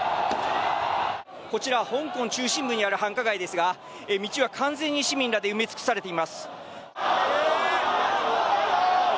香港中心部にある繁華街ですが道は完全に市民らで埋め尽くされています。